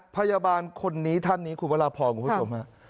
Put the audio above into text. พยาบาลคนนี้ท่านนี้คุณพระราพรคุณผู้ชมฮะ